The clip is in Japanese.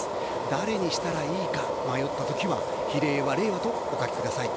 誰にしたらいいか迷ったときは、比例は、れいわとお書きください。